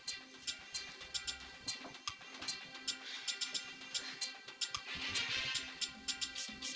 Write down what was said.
tidak bu ine